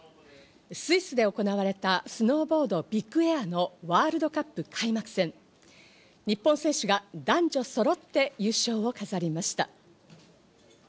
スイスで行われたスノーボード・ビッグエアのワールドカップ開幕戦、日本選手が男女そろって優勝を飾りました。